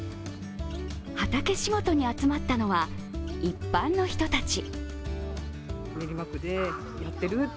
畑仕事に集まったのは、一般の人たち。